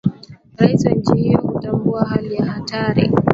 raia wa nchi hiyo kutambua hali ya hatari